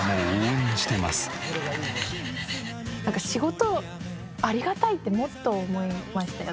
仕事ありがたいってもっと思いましたよね。